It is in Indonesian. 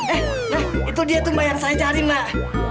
eh itu dia tuh mbak yang saya cari mbak